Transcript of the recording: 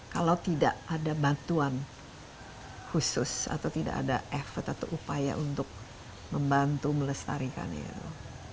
kalau tidak ada bantuan khusus atau tidak ada effort atau upaya untuk membantu melestarikan itu